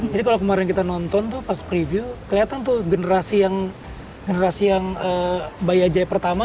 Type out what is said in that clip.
jadi kalau kemarin kita nonton tuh pas preview kelihatan tuh generasi yang bayi ajaib pertama